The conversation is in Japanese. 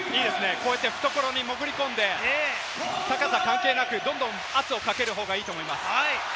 懐に潜り込んで高さ関係なく、どんどん圧をかける方がいいと思います。